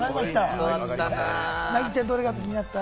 凪ちゃん、どれが気になった？